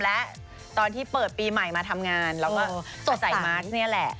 และตอนที่เปิดปีใหม่มาทำงานเราก็จะใส่มาร์คนี่แหละ